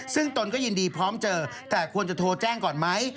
ซึ่งตนก็ยินดีพร้อมเจอแต่ควรจะโทรแจ้งก่อนไหม